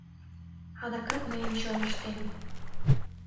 Адакат мыйын чоныштем